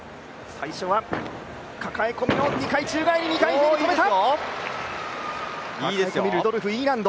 最初は抱え込みの２回宙返り、２回ひねり、止めた。